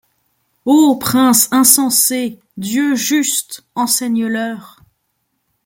Ô princes insensés ! Dieu juste ! enseigne-leur